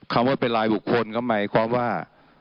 คำว่าเป็นรายบุคคลก็หมายความว่า